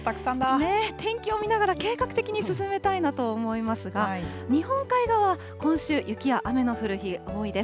天気を見ながら、計画的に進めたいなと思いますが、日本海側は今週雪や雨の降る日、多いです。